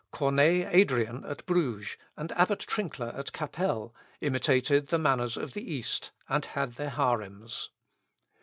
Corneille Adrian at Bruges, and Abbot Trinkler at Cappel, imitated the manners of the East, and had their harems.